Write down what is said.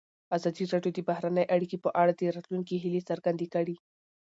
ازادي راډیو د بهرنۍ اړیکې په اړه د راتلونکي هیلې څرګندې کړې.